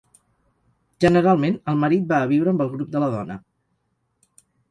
Generalment el marit va a viure amb el grup de la dona.